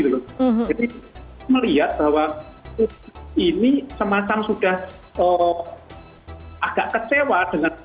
jadi melihat bahwa ini semacam sudah agak kecewa